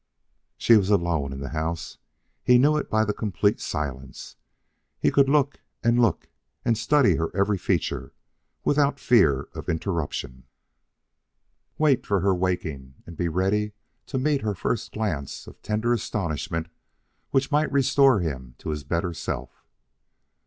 She was alone in the house; he knew it by the complete silence. He could look and look and study her every feature, without fear of interruption; wait for her waking and be ready to meet her first glance of tender astonishment which might restore him to his better self.